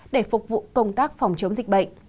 để phục vụ công tác phòng chống dịch bệnh